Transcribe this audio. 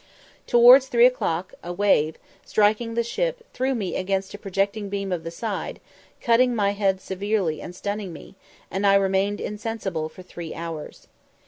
Towards three o'clock, a wave, striking the ship, threw me against a projecting beam of the side, cutting my head severely and stunning me, and I remained insensible for three hours.